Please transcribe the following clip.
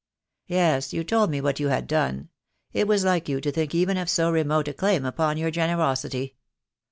"Yes, you told me what you had done. It was like you to think even of so remote a claim upon your generosity."